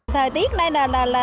thời tiết này là